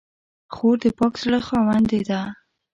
خور د پاک زړه خاوندې ده.